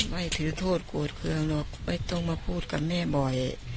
ไม่ถือโทษโกรธเครื่องหรอกไม่ต้องมาพูดกับแม่บ่อย